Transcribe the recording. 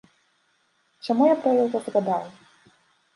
Чаму я пра яго згадаў?